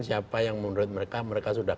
siapa yang menurut mereka mereka sudah